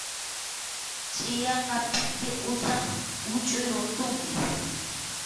Chʼiyaqa pikipa usap huchʼuy runtunmi.